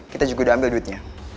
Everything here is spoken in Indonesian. kita juga udah ambil duitnya